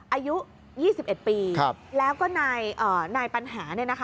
อายุยี่สิบเอ็ดปีครับแล้วก็นายอ่านายปัญหาเนี่ยนะคะ